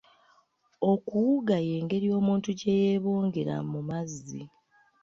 Okuwuga y'engeri omuntu gye yeebongera mu mazzi.